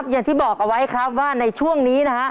อย่างที่บอกเอาไว้ว่าในช่วงนี้